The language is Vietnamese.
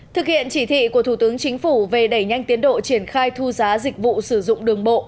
thực hiện chỉ thị của thủ tướng chính phủ về đẩy nhanh tiến độ triển khai thu giá dịch vụ sử dụng đường bộ